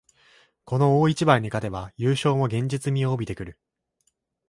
この大一番に勝てば優勝も現実味を帯びてくる